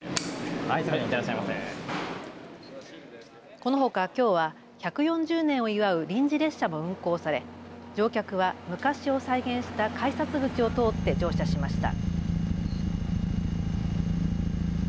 このほか、きょうは１４０年を祝う臨時列車も運行され乗客は昔を再現した改札口を通って乗車しました。